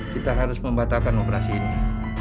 kita harus membatalkan operasi ini